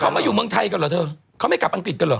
เขามาอยู่เมืองไทยกันเหรอเธอเขาไม่กลับอังกฤษกันเหรอ